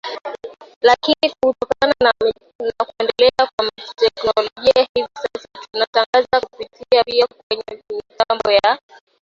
lakini kutokana na kuendelea kwa teknolojia hivi sasa tunatangaza kupitia pia kwenye mitambo ya